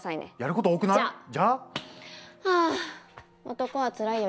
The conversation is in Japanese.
「男はつらいよ」